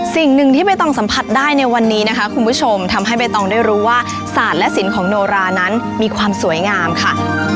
สิ่งหนึ่งที่ใบตองสัมผัสได้ในวันนี้นะคะคุณผู้ชมทำให้ใบตองได้รู้ว่าศาสตร์และสินของโนรานั้นมีความสวยงามค่ะ